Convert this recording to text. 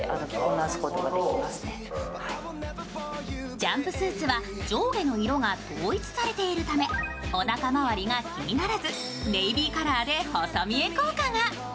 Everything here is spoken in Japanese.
ジャンプスーツは上下の色が統一されているためおなか周りが気にならず、ネイビーカラーで細見え効果が。